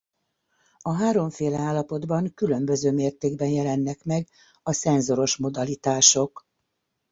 A háromféle állapotban különböző mértékben jelennek meg a szenzoros modalitások.